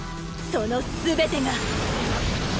その全てが。